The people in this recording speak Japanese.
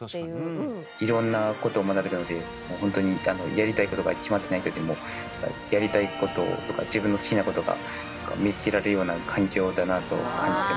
色んな事を学べるのでホントにやりたい事が決まってない人でもやりたい事とか自分の好きな事が見つけられるような環境だなと感じてます。